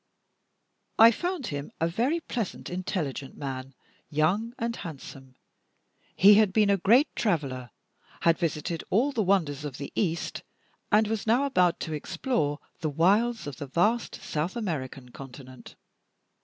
I found him a very pleasant, intelligent man, young and handsome. He had been a great traveler; had visited all the wonders of the East; and was now about to explore the wilds of the vast South American Continent.